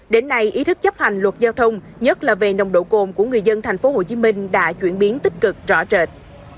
đến nay ý thức chấp hành luật giao thông nhất là về nồng độ cồn của người dân tp hcm đã chuyển biến tích cực rõ rệt